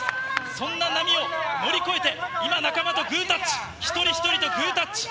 そんな波を乗り越えて今、仲間とグータッチ、一人一人とグータッチ。